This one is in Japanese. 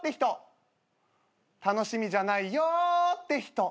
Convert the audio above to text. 楽しみじゃないよって人。